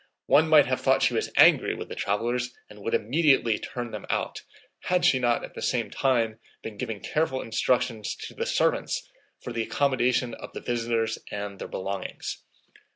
One might have thought she was angry with the travelers and would immediately turn them out, had she not at the same time been giving careful instructions to the servants for the accommodation of the visitors and their belongings.